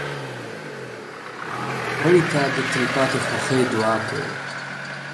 مړه ته د تلپاتې خوښۍ دعا کوو